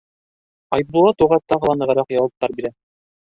Айбулат уға тағы ла нығыраҡ яуаптар бирә.